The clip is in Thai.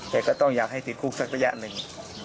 แต่ก็ต้องอยากให้ติดคุกสักระยะหนึ่ง